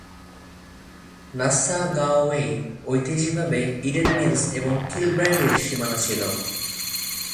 Nassagaweya ঐতিহাসিকভাবে Eden Mills এবং কিলব্রাইডের সীমানা ছিল।